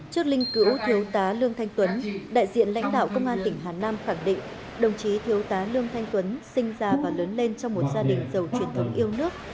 trước linh cữu thiếu tá lương thanh tuấn đại diện lãnh đạo công an tỉnh hà nam khẳng định đồng chí thiếu tá lương thanh tuấn sinh ra và lớn lên trong một gia đình giàu truyền thống yêu nước